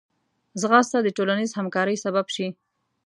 ځغاسته د ټولنیز همکارۍ سبب شي